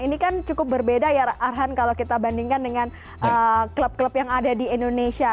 ini kan cukup berbeda ya arhan kalau kita bandingkan dengan klub klub yang ada di indonesia